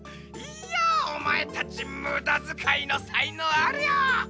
いやおまえたちむだづかいのさいのうあるよ！